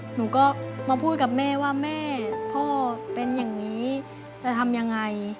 หนูก็มาพูดกับแม่ว่าแม่พ่อเป็นอย่างนี้จะทำยังไง